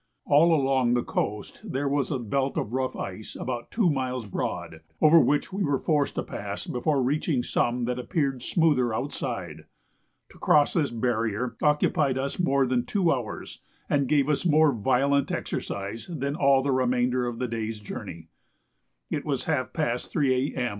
All along the coast there was a belt of rough ice about two miles broad, over which we were forced to pass before reaching some that appeared smoother outside. To cross this barrier occupied us more than two hours, and gave us more violent exercise than all the remainder of the day's journey. It was half past 3 A.M.